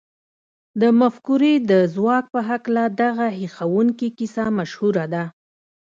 د مفکورې د ځواک په هکله دغه هيښوونکې کيسه مشهوره ده.